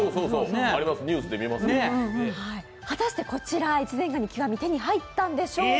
果たしてこちら越前がに極、手に入ったんでしょうか。